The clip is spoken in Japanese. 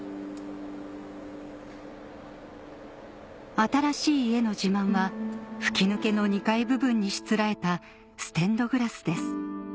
新しい家の自慢は吹き抜けの２階部分にしつらえたステンドグラスです